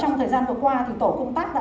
trong thời gian vừa qua tổ công tác đã